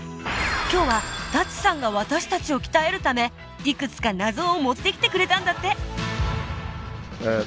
今日は舘さんが私達を鍛えるためいくつか謎を持ってきてくれたんだってえ